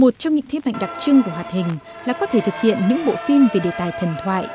một trong những thế mạnh đặc trưng của hoạt hình là có thể thực hiện những bộ phim về đề tài thần thoại